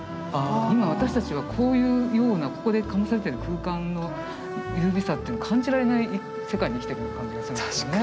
今私たちはこういうようなここで醸されてる空間の優美さというのを感じられない世界に生きてるような感じがするんですよね。